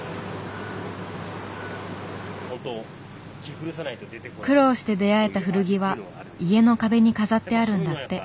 苦労して出会えた古着は家の壁に飾ってあるんだって。